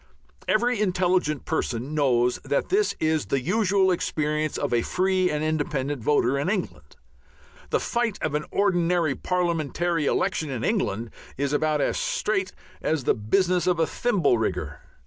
Every intelligent person knows that this is the usual experience of a free and independent voter in England. The "fight" of an ordinary Parliamentary election in England is about as "straight" as the business of a thimble rigger.